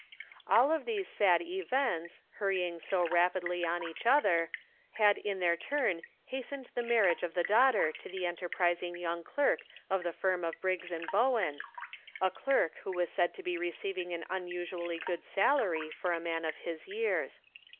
All of these sad events, hurrying so rapidly on each other, had in their turn hastened the marriage of the daughter to the enterprising young clerk of the firm of Briggs & Bo wen 56 The Pocket Measure. — a clerk who was said to be receiving an un usually good salary for a man of his years.